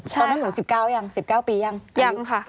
ใช่ค่ะค่ะตอนนั้นหนู๑๙ปียังหรือยังค่ะ